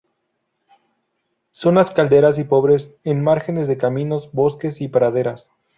Zonas calcáreas y pobres, en márgenes de caminos, bosques y praderas.